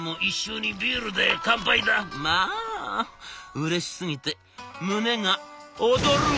うれしすぎて胸が躍るわ」。